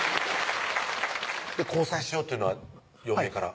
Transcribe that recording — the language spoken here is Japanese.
「交際しよう」というのは陽平から？